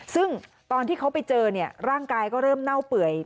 ซึ่งตอนที่เขาไปเจอเนี่ยร่างกายก็เริ่มเน่าเปื่อย